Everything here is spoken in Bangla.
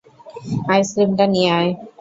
আইসক্রিমটা নিয়ে আয়!